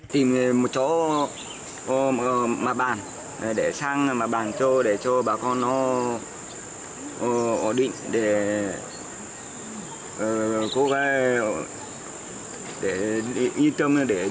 tìm một chỗ mà bàn để sang mà bàn cho để cho bà con nó